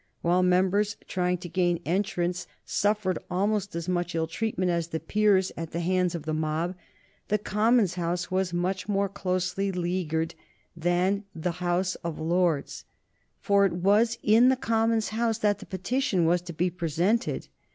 While members trying to gain entrance suffered almost as much ill treatment as the Peers at the hands of the mob, the Commons' House was much more closely leaguered than the House of Lords. For it was in the Commons' House that the petition was to be presented.